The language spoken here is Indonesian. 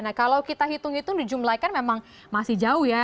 nah kalau kita hitung hitung dijumlahkan memang masih jauh ya